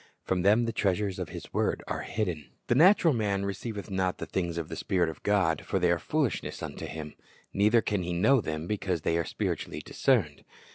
From them the treasures of His word are hidden. "The natural man receiveth not the things of the Spirit of God; for they are foolishness unto him; neither can he know them, because they are spiritually discerned."